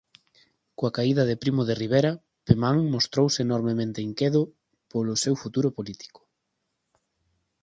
Coa caída de Primo de Rivera Pemán mostrouse enormemente inquedo polo seu futuro político.